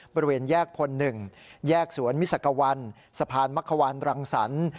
บริเวณแยกพล๑แยกสวนมิสักวันสะพานมักขวานรังสรรค์